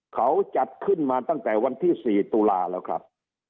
เขาจัดขึ้นมาตั้งแต่วันที่๔ตุลาแล้วครับ